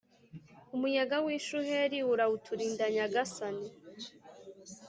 Umuyaga w’ishuheri urawuturinda nyagasani